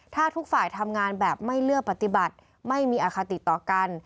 ถ้าทุกฝ่ายทำงานแบบไม่เลือกปฏิบัติไม่มีอคติต่อกัน